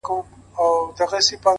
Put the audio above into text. سیاه پوسي ده خاوند یې ورک دی!!